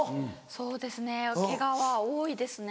そうですねケガは多いですね。